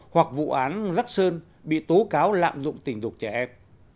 hoặc vụ án lắc sơn bị tố cáo lạm dụng tình dục trẻ em